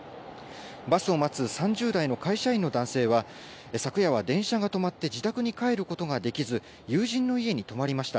バスを待つ３０代の会社員の男性は、昨夜は電車が止まって自宅に帰ることができず、友人の家に泊まりました。